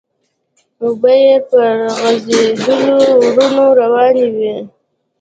اوبه يې پر غزيدلو ورنو روانې وې.